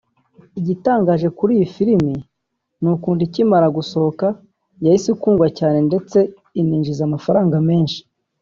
Igitangaje kuri iyi filimi ni ukuntu ikimara gusohoka yahise ikundwa cyane ndetse ininjiza amafaranga menshi